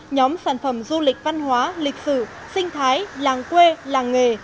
nhóm sản phẩm du lịch văn hóa lịch sử sinh thái làng quê làng nghề